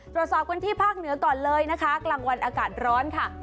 ตรวจสอบกันที่ภาคเหนือก่อนเลยนะคะกลางวันอากาศร้อนค่ะ